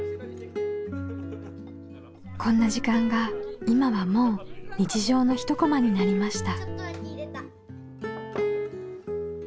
こんな時間が今はもう日常の一コマになりました。